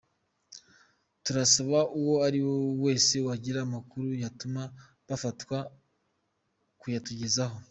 Turasaba uwo ari we wese wagira amakuru yatuma bafatwa kuyatugezaho.